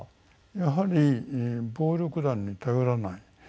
やはり暴力団に頼らない。